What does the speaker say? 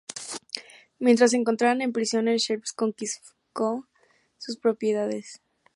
Mientras se encontraban en prisión, el sheriff confiscó sus propiedades.